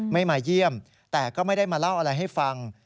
ไม่มาเยี่ยมแต่ก็ไม่ได้มาเล่าอะไรให้ฟัง